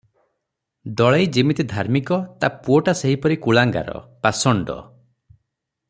ଦଳେଇ ଯିମିତି ଧାର୍ମିକ, ତା ପୁଅଟା ସେହିପରି କୁଳାଙ୍ଗାର, ପାଷଣ୍ଡ ।